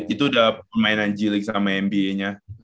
itu udah permainan g league sama nba nya